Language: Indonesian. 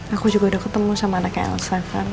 aku juga udah ketemu sama anaknya elsa kan